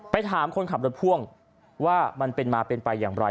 ถามคนขับรถพ่วงว่ามันเป็นมาเป็นไปอย่างไร